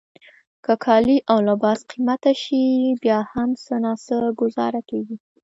که کالي او لباس قیمته شي بیا هم څه ناڅه ګوزاره کیږي.